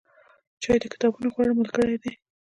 چای د کتابونو غوره ملګری دی.